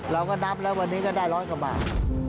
เราก็นับแล้ววันนี้ก็ได้ร้อยกว่าบาท